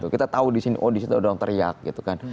kita tahu di sini oh disitu ada orang teriak gitu kan